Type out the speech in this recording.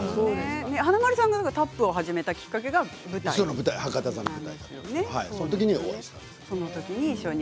華丸さんがタップを始めたきっかけが博多座の。